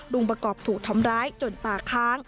ประกอบถูกทำร้ายจนตาค้าง